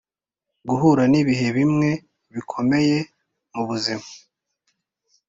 guhura nibihe bimwe bikomeye mubuzima